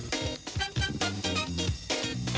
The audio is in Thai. ไปเพิ่ม